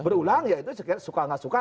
berulang ya itu suka nggak suka